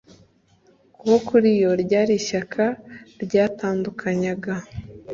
kuko kuri yo ryari ishyaka ryatandukanyaga